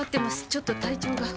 ちょっと体調が。